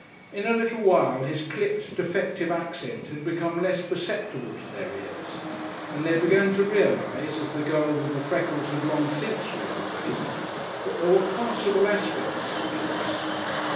In a little while his clipped, defective accent had become less perceptible to their ears, and they began to realise, as the girl with the freckles had long since realised, that there were passable aspects of Kipps.